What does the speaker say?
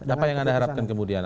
apa yang anda harapkan kemudian